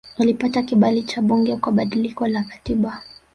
Alipata kibali cha bunge kwa badiliko la katiba